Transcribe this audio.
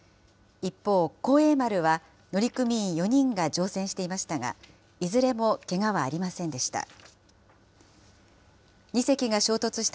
一方、幸栄丸は乗組員４人が乗船していましたが、いずれもけがはありませんでした。